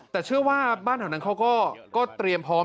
แต่เชื่อว่าบ้านที่เข้าก็ก้อเตรียมพร้อม